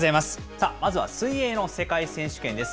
さあ、まずは水泳の世界選手権です。